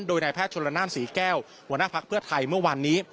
โดยนายแพทย์ชนละนานศรีแก้วหัวหน้าภักดิ์เพื่อไทยเมื่อวานนี้